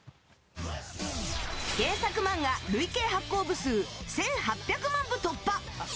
原作漫画累計発行部数１８００万部突破。